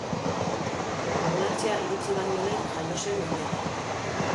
Anbulantzia iritsi baino lehen jaio zen umea.